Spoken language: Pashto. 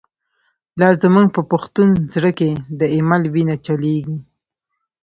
لا زمونږ په پښتون زړه کی، « د ایمل» وینه چلیږی